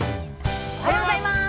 ◆おはようございます。